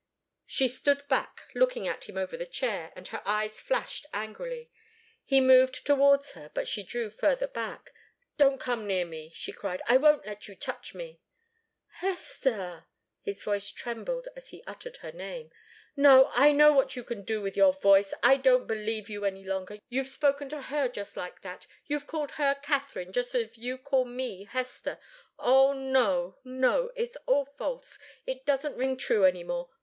She stood back, looking at him over the chair, and her eyes flashed angrily. He moved towards her, but she drew further back. "Don't come near me!" she cried. "I won't let you touch me!" "Hester!" His voice trembled as he uttered her name. "No I know what you can do with your voice! I don't believe you any longer you've spoken to her just like that you've called her Katharine, just as you call me Hester! Oh no, no! It's all false it doesn't ring true any more.